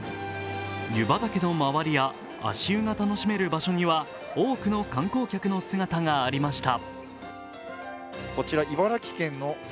湯畑の周りや足湯が楽しめる場所には多くの観光客の姿がありました。